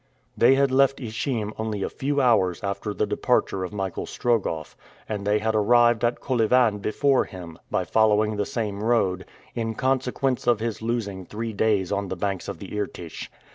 They had left Ichim only a few hours after the departure of Michael Strogoff, and they had arrived at Kolyvan before him, by following the same road, in consequence of his losing three days on the banks of the Irtych.